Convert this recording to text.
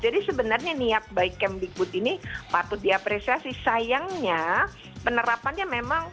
jadi sebenarnya niat baik camp bigfoot ini patut diapresiasi sayangnya penerapannya memang